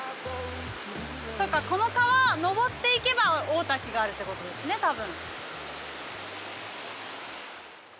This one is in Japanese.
そうか、この川を上っていけば大滝があるってことですね、多分。